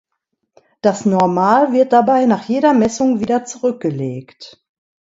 Das Normal wird dabei nach jeder Messung wieder zurückgelegt.